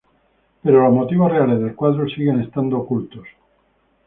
Pero los motivos reales del cuadro siguen estando ocultos.